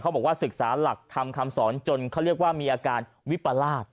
บอกว่าศึกษาหลักธรรมคำสอนจนเขาเรียกว่ามีอาการวิปราช